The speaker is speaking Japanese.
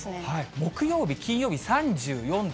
木曜日、金曜日３４度。